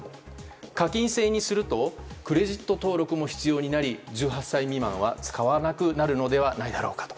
課金制にするとクレジット登録も必要になり１８歳未満は使わなくなるのではないかと。